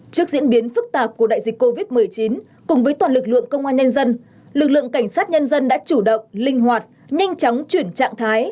trước diễn biến phức tạp của đại dịch covid một mươi chín cùng với toàn lực lượng công an nhân dân lực lượng cảnh sát nhân dân đã chủ động linh hoạt nhanh chóng chuyển trạng thái